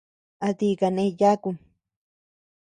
¿A ti kane yákum?